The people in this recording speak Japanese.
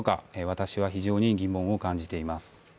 私は非常に疑問を感じています。